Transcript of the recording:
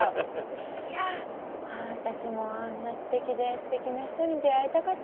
あ私もあんな知的ですてきな人に出会いたかったな。